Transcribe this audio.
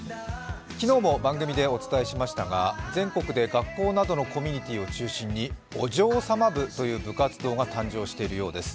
昨日も番組でお伝えしましたが全国で学校などのコミュニティーを中心にお嬢様部という部活が誕生しているようです。